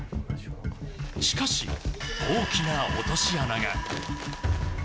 しかし、大きな落とし穴が。